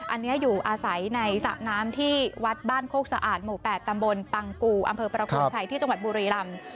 อันนี้อยู่อาศัยในสระน้ำที่วัดบ้านโคกสะอาดหมู่๘ตำบลปังกูอำเภอประโคนชัยที่จังหวัดบุรีรำ